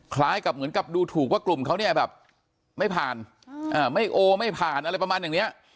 คล้ายกับเหมือนกับดูถูกว่ากลุ่มเขาเนี่ยแบบไม่ผ่านไม่โอไม่ผ่านอะไรประมาณอย่างนี้